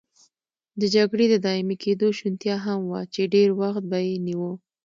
د جګړې د دایمي کېدو شونتیا هم وه چې ډېر وخت به یې نیوه.